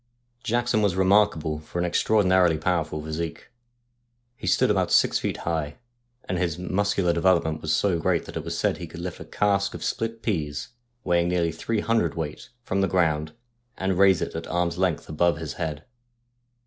Jackson was remarkable for an extraordinarily powerful physique. He stood about six feet high, and his muscular development was so great that it was said he could lift a cask of split peas, weighing nearly three hundredweight, from the ground, and raise it at arm's length above his head.